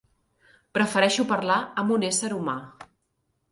Prefereixo parlar amb un ésser humà.